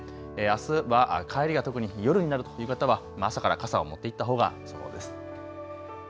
あすは帰りが特に夜になるという方は朝から傘を持っていったほうがよさそうです。